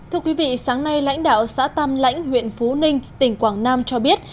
thưa quý vị sáng nay lãnh đạo xã tam lãnh huyện phú ninh tỉnh quảng nam cho biết